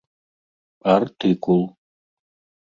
Артыкул.